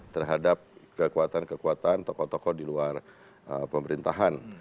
terhadap kekuatan kekuatan tokoh tokoh di luar pemerintahan